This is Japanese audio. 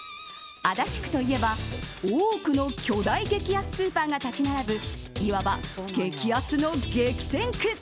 足立区といえば、多くの巨大激安スーパーが立ち並ぶいわば激安の激戦区。